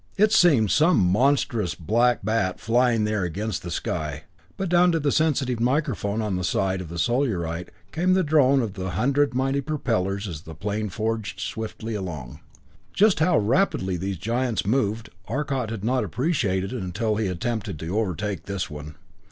It seemed some monstrous black bat flying there against the sky, but down to the sensitive microphone on the side of the Solarite came the drone of the hundred mighty propellers as the great plane forged swiftly along. Just how rapidly these giants moved, Arcot had not appreciated until he attempted to overtake this one.